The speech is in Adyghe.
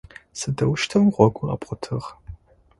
Сыдэущтэу гъогур къэбгъотыгъ?